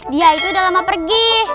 dia itu udah lama pergi